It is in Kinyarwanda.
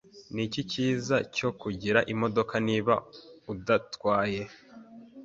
Niki cyiza cyo kugira imodoka niba udatwaye?